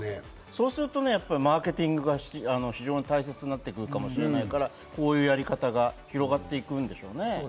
そうするとマーケティングは非常に大切になってくるから、こういうやり方が広がっていくんでしょうね。